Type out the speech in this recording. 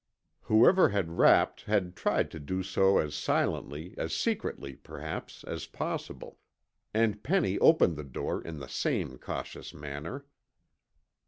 Whoever had rapped had tried to do so as silently, as secretly perhaps, as possible, and Penny opened the door in the same cautious manner.